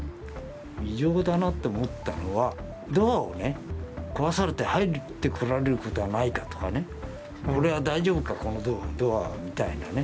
異常だなと思ったのは、ドアをね、壊されて入ってこられることはないかとかね、これは大丈夫か、このドアはみたいなね。